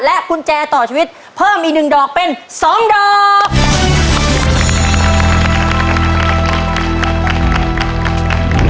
กุญแจต่อชีวิตเพิ่มอีก๑ดอกเป็น๒ดอก